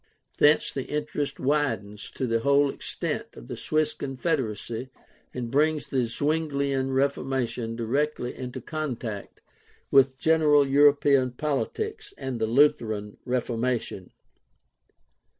Thence the interest widens to the whole extent of the Swiss confederacy and brings the Zwinglian Reformation directly into contact with general European politics and the Lutheran Reformation.